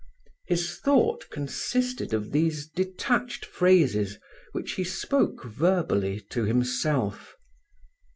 His thought consisted of these detached phrases, which he spoke verbally to himself.